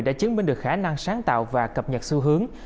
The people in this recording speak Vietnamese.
đã chứng minh được khả năng sáng tạo và cập nhật xu hướng